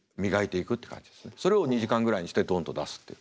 それを２時間ぐらいにしてどんと出すっていう。